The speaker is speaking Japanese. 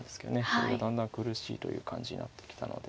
それがだんだん苦しいという感じになってきたので。